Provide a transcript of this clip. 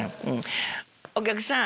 お客さん